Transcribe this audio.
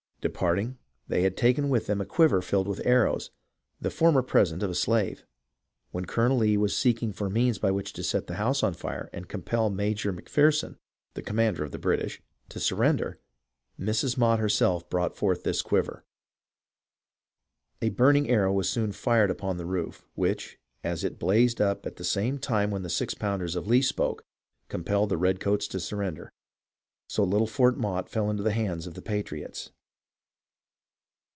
Departing, they had taken with them a quiver filled with arrows, the former present of a slave. When Colonel Lee was seeking for means by which to set the house on fire and compel Major M'Pherson, the com mander of the British, to surrender, Mrs. Motte herself brought forth this quiver. A burning arrow was soon fired upon the roof, which, as it blazed up at the same time when the six pounders of Lee spoke, compelled the red coats to surrender. So little Fort Motte fell into the hands of the patriots.